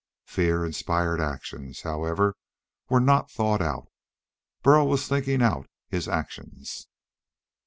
Fear inspired actions, however, were not thought out. Burl was thinking out his actions.